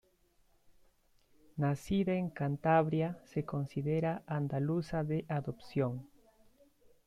Nacida en Cantabria, se considera andaluza de adopción.